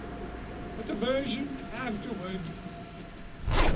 But the version afterward!